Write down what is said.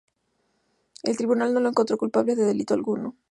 El tribunal no lo encontró culpable de delito alguno.